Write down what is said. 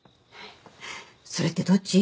それってどっち？